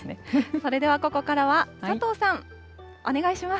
それではここからは佐藤さん、お願いします。